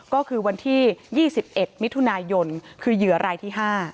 ก็คือวันที่๒๑มิถุนายนคือเหยื่อรายที่๕